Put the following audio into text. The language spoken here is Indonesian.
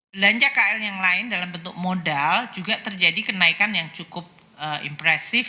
belanja kl yang lain dalam bentuk modal juga terjadi kenaikan yang cukup impresif